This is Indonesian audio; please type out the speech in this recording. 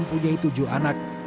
mbah wakit memiliki tujuh anak